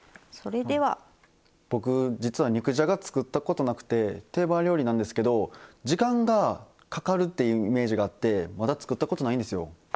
僕実は肉じゃが作ったことなくて定番料理なんですけど時間がかかるっていうイメージがあってまだ作ったことないんですよ。